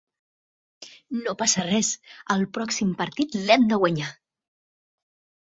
No passa res, el pròxim partit l'hem de guanyar!